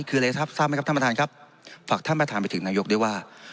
คืออะไรครับท่านประธานครับฝากท่านประธานไปถึงนายกด้วยว่า